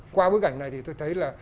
qua bức ảnh này thì tôi thấy là